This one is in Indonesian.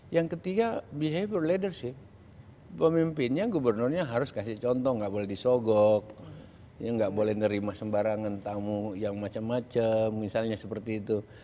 yang ketiga behavior leadership pemimpinnya gubernurnya harus kasih contoh nggak boleh disogok ya nggak boleh nerima sembarangan tamu yang macam macam misalnya seperti itu